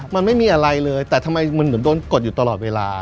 มันไม่มีอะไรเลยแต่ทำไมมันเหมือนโดนกดอยู่ตลอดเวลา